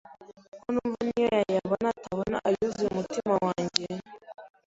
ko numva n’iyo yayabona atabona ayuzuye umutima wanjye,